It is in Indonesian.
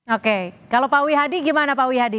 oke kalau pak wi hadi gimana pak wi hadi